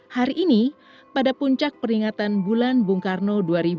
hari ini pada puncak peringatan bulan bung karno dua ribu dua puluh